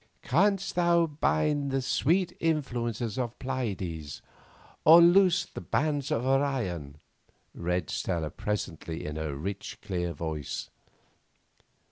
"'Canst thou bind the sweet influences of Pleiades, or loose the bands of Orion?'" read Stella presently in her rich, clear voice.